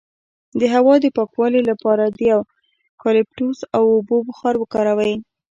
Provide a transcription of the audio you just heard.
د هوا د پاکوالي لپاره د یوکالیپټوس او اوبو بخار وکاروئ